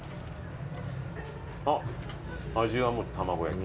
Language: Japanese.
あっ味はもう卵焼き。